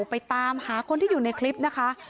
ไปตามหาคนที่อยู่ในคลิปนะคะ